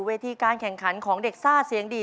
เวทีการแข่งขันของเด็กซ่าเสียงดี